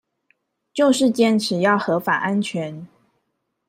就是堅持要合法安全